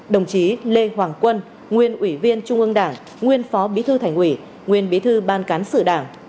đồng chí lê hoàng quân nguyên ủy viên trung ương đảng nguyên phó bí thư thành ủy nguyên bí thư ban cán sự đảng